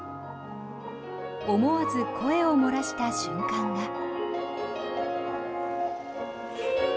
思わず声を漏らした瞬間が。